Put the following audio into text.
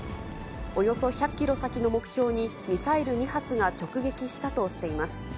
およそ１００キロ先の目標にミサイル２発が直撃したとしています。